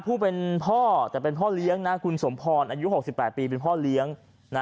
ผู้เป็นพ่อแต่เป็นพ่อเลี้ยงนะคุณสมพรอายุ๖๘ปีเป็นพ่อเลี้ยง